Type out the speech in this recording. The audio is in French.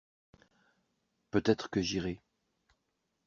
Peut-être que j’irai.